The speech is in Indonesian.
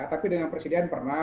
tapi dengan presiden pernah